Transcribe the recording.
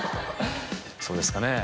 そうですかね。